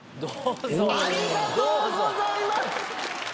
ありがとうございます！